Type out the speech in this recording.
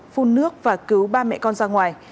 phun nước và cứu ba mẹ con ra ngoài